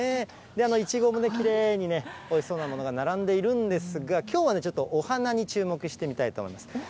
イチゴもね、きれいにね、おいしそうなものが並んでいるんですが、きょうはちょっとお花に注目してみたいと思います。